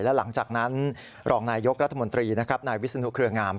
และหลังจากนั้นรองนายยกรัฐมนตรีนะครับนายวิศนุเครืองาม